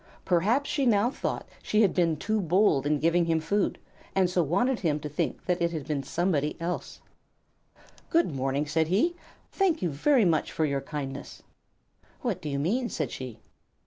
Perhaps she now thought that she had been too bold in giving him food, and so wanted him to think that it had been somebody else. "Good morning!" said he. "Thank you very much for your kindness." "What do you mean?" said she.